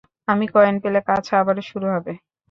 আমি কয়েন পেলে, কাজ আবারও শুরু হবে।